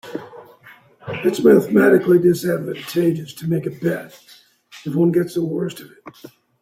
It is mathematically disadvantageous to make a bet if one getsthe worst of it.